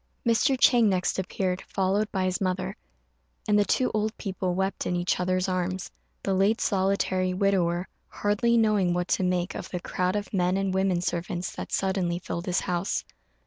Mr. Chang next appeared, followed by his mother; and the two old people wept in each other's arms, the late solitary widower hardly knowing what to make of the crowd of men and women servants that suddenly filled his house.